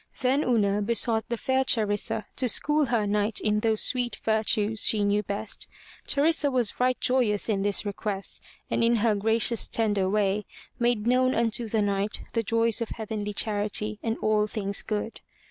Then Una besought the fair Charissa to school her Knight in those sweet virtues she knew best. Charissa was right joyous of this request and in her gra cious tender way made known unto the Knight the joys of heavenly charity and all things good.